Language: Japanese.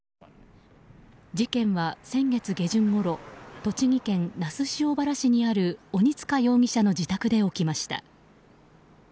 事件は先月下旬ごろ栃木県那須塩原市にある鬼塚容疑者の自宅で起きました。